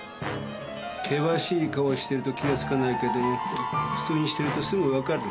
険しい顔してると気が付かないけども普通にしてるとすぐ分かる。